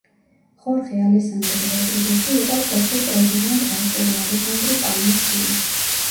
ხორხე ალესანდრი როდრიგესი იყო ყოფილ პრეზიდენტ არტურო ალესანდრი პალმას შვილი.